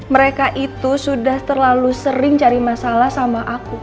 mereka itu sudah terlalu sering cari masalah sama aku